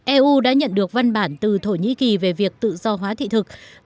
eu đã nhận được văn bản từ thổ nhĩ kỳ về việc tự do hóa thị thực